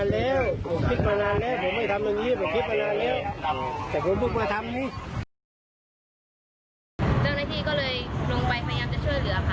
เจ้าหน้าที่ก็เลยลงไปพยายามจะช่วยเหลือค่ะ